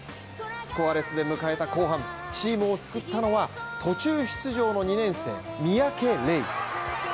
スコアレスで迎えた後半、チームを救ったのは途中出場の２年生三宅怜。